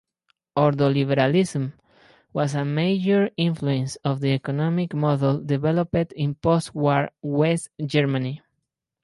Ordoliberalism was a major influence of the economic model developed in post-war West Germany.